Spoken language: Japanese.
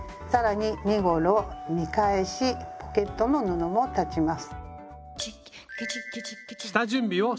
更に身ごろ見返しポケットの布も裁ちます。